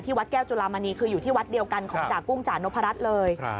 วัดแก้วจุลามณีคืออยู่ที่วัดเดียวกันของจากกุ้งจานพรัชเลย